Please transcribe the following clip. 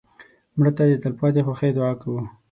مړه ته د تلپاتې خوښۍ دعا کوو